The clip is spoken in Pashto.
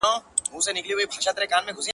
امجد شهزاد هم حد کوي